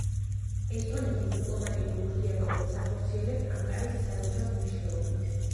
ესტონეთი დიპლომატიურ ურთიერთობებს ახორციელებს ანკარის საელჩოს მეშვეობით.